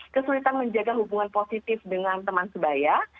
kesulitan menjaga hubungan positif dengan teman sebaya